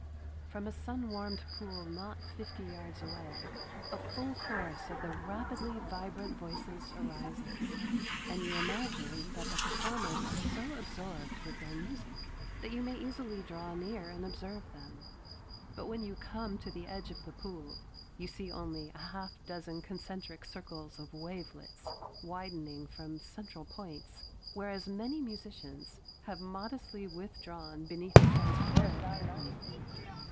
From a sun warmed pool not fifty yards away a full chorus of the rapidly vibrant voices arises, and you imagine that the performers are so absorbed with their music that you may easily draw near and observe them. But when you come to the edge of the pool you see only a half dozen concentric circles of wavelets, widening from central points, where as many musicians have modestly withdrawn beneath the transparent curtain.